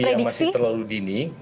iya masih terlalu dini